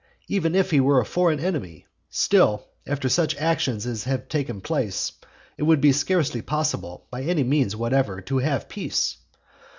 Even if he were a foreign enemy, still, after such actions as have taken place, it would be scarcely possible, by any means whatever, to have peace.